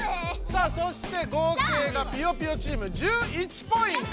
さあそして合計がぴよぴよチーム１１ポイント！